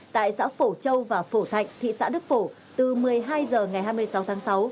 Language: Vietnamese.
tại xã phổ châu và phổ thạnh thị xã đức phổ từ một mươi hai h ngày hai mươi sáu tháng sáu